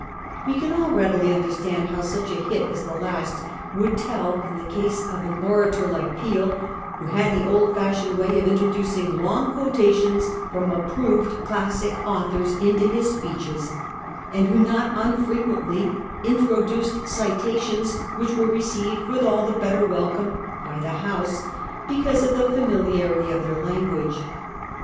We can all readily un derstand how such a hit as the last would tell in the case of an orator like Peel, who had the old fashioned way of introducing long quotations from approved classic authors into his speeches, and who not unfre quently introduced citations which were received with all the better welcome by the House because of the 400 A HISTORY OF OUR OWN TIMES. cn. svi. familiarity of their language.